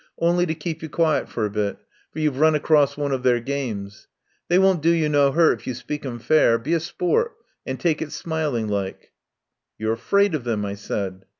Only to keep you quiet for a bit, for you've run across one of their games. They won't do you no 'urt if you speak 'em fair. Be a sport and take it smiling like " "You're afraid of them," I said.